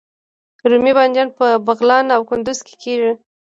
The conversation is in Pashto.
رومي بانجان په بغلان او کندز کې کیږي